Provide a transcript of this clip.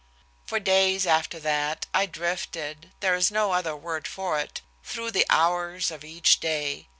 For days after that, I drifted there is no other word for it through the hours of each day.